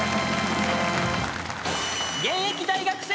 ［現役大学生］